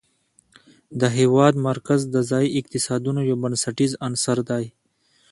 د هېواد مرکز د ځایي اقتصادونو یو بنسټیز عنصر دی.